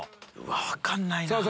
分かんないなぁ。